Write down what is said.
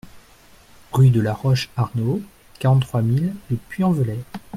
Rue de la Roche Arnaud, quarante-trois mille Le Puy-en-Velay